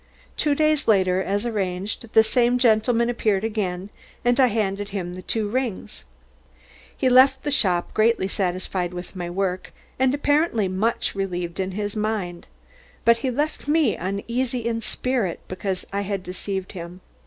Two days later, as arranged, the same gentleman appeared again and I handed him the two rings. "He left the shop, greatly satisfied with my work and apparently much relieved in his mind. But he left me uneasy in spirit because I had deceived him.